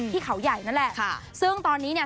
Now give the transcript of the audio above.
ที่เขาใหญ่นั่นแหละค่ะซึ่งตอนนี้เนี่ย